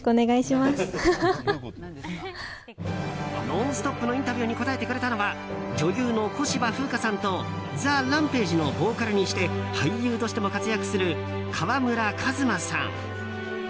「ノンストップ！」のインタビューに答えてくれたのは女優の小芝風花さんとＴＨＥＲＡＭＰＡＧＥのボーカルにして俳優としても活躍する川村壱馬さん。